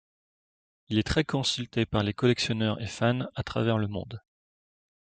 Il est très consulté par les collectionneurs et fans à travers le monde.